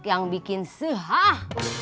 yang bikin sehah